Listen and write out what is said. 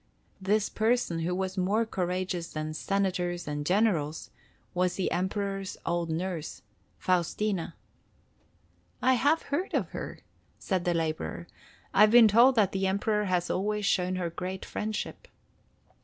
This person, who was more courageous than senators and generals, was the Emperor's old nurse, Faustina." "I have heard of her," said the laborer. "I've been told that the Emperor has always shown her great friendship."